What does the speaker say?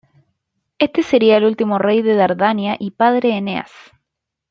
Este sería el último rey de Dardania y padre de Eneas.